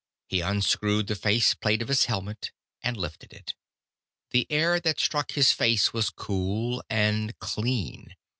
He unscrewed the face plate of his helmet, and lifted it. The air that struck his face was cool and clean.